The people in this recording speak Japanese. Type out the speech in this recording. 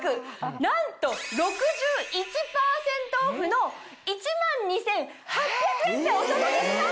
なんと６１％オフの１万２８００円でお届けします。